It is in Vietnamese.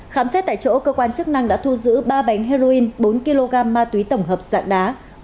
khám xét tại chỗ cơ quan chức năng đã thu giữ ba bánh heroin bốn kg ma túy tổng hợp dạng đá